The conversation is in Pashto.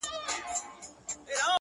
ارمانه اوس درنه ښكلا وړي څوك ـ